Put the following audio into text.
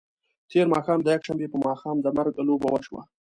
تېر ماښام د یکشنبې په ماښام د مرګ لوبه وشوه.